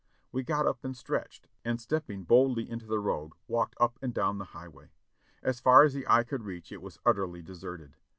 We got up and stretched, and stepping boldly into the road walked up and down the highway. As far as the eye could reach it was utterly deserted.